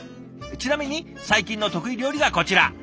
ちなみに最近の得意料理がこちら。